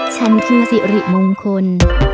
ฉันคือสิริมงคล